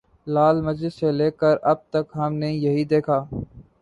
لال مسجد سے لے کر اب تک ہم نے یہی دیکھا۔